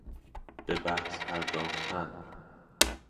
به بحث پرداختن